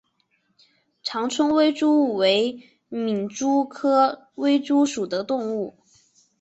长春微蛛为皿蛛科微蛛属的动物。